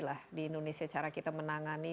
lah di indonesia cara kita menangani